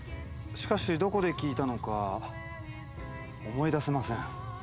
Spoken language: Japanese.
しかしどこで聞いたのか思い出せません。